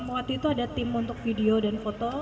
waktu itu ada tim untuk video dan foto